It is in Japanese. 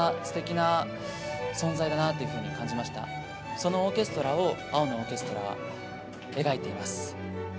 そのオーケストラを「青のオーケストラ」は描いています。